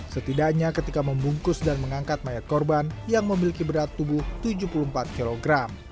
setidaknya ketika membungkus dan mengangkat mayat korban yang memiliki berat tubuh tujuh puluh empat kg